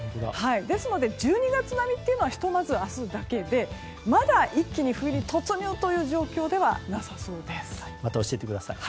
ですので１２月並みというのはひとまず明日だけでまだ一気に冬に突入するという状況ではなさそうです。